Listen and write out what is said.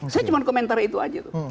saya cuma komentar itu aja tuh